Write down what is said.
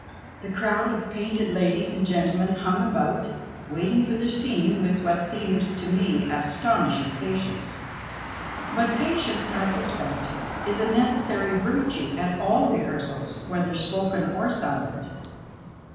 The crowd of pi^inted ladies and gentlemen hung about, waiting for their scene with what seemed to me astonishing jiatience. ]iut patience, I suspect, is a necessary virtue at all rehearsals, whether " spoken " or " silent."